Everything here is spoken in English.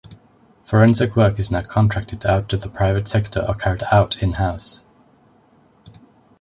Forensic work is now contracted out to the private sector or carried out in-house.